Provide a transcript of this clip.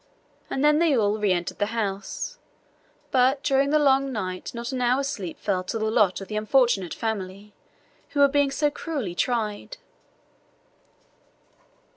And then they all re entered the house. But during the long night not an hour's sleep fell to the lot of the unfortunate family who were being so cruelly tried.